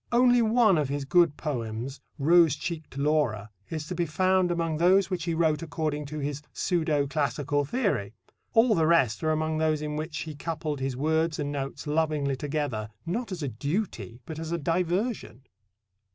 Only one of his good poems, "Rosecheek'd Laura," is to be found among those which he wrote according to his pseudo classical theory. All the rest are among those in which he coupled his words and notes lovingly together, not as a duty, but as a diversion.